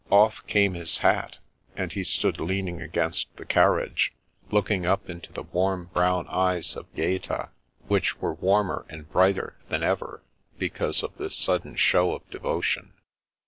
Off came his hat, and he stood leaning against the carriage, looking up into the warm brown eyes of Gaeta, which were warmer and brighter than ever because of this sudden show of devotion.